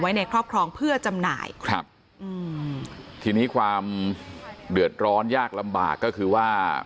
ในครอบครองเพื่อจำหน่ายครับอืมทีนี้ความเดือดร้อนยากลำบากก็คือว่า